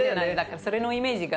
それのイメージが強いね。